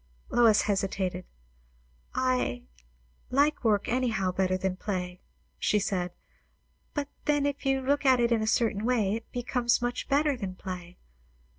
Lois hesitated. "I like work anyhow better than play," she said. "But then, if you look at it in a certain way, it becomes much better than play.